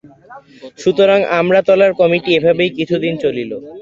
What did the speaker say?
সুতরাং আমড়াতলার কমিটি এইভাবেই কিছুদিন চলিল।